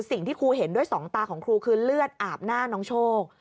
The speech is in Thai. สิ่งที่ครูเห็นด้วยสองตาของครูคือเลือดอาบหน้าน้องโชค